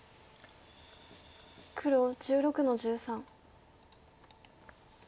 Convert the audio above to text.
黒１６の十三。